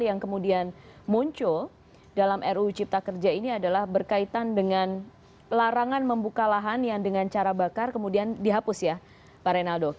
yang kemudian muncul dalam ru cipta kerja ini adalah berkaitan dengan larangan membuka lahan yang dengan cara bakar kemudian dihapus ya pak reynaldo